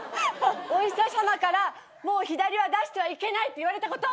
お医者さまからもう左は出してはいけないって言われたこと。